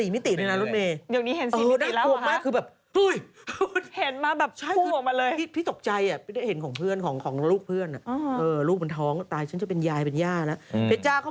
ไม่เห็นอะไรเห็นแบบดำดำคาว